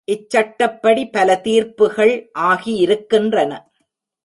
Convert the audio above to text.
இச்சட்டப்படி பல தீர்ப்புகள் ஆகியிருக்கின்றன.